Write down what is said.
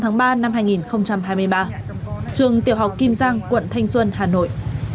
ngày hai mươi tám tháng ba năm hai nghìn hai mươi ba trường tiểu học kim giang quận thanh xuân hà nội